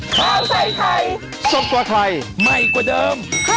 โปรดติดตามตอนต่อไป